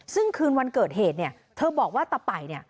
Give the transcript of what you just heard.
ซึ่งคืนวันเกิดเหตุเธอบอกว่าตะไป่